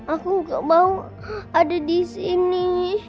aku gak mau ada di sini